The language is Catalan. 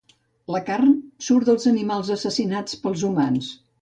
La carn surt dels animals assassinats pels humans.